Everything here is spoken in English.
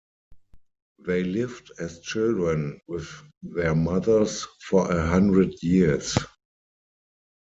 They lived as children with their mothers for a hundred years.